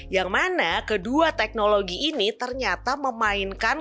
yang mana kedua teknologi ini ternyata memainkan